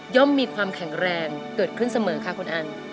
มีความแข็งแรงเกิดขึ้นเสมอค่ะคุณอัน